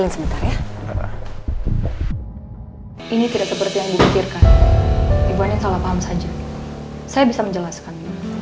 ini tidak seperti yang dipikirkan ibu anin salah paham saja saya bisa menjelaskan